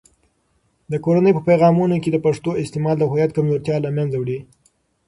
د کورنۍ په پیغامونو کې د پښتو استعمال د هویت کمزورتیا له منځه وړي.